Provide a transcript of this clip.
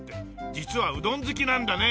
実はうどん好きなんだね。